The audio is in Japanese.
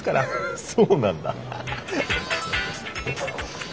ハハそうなんだ。